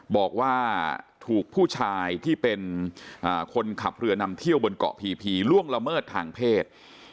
บอกว่าถูกผู้ชายที่เป็นคนขับเรือนำเที่ยวบนเกาะพีพีล่วงละเมิดทางเพศ